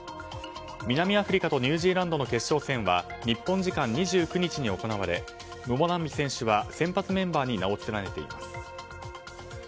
南アフリカとニュージーランドの決勝戦は日本時間２９日に行われムボナンビ選手は先発メンバーに名を連ねています。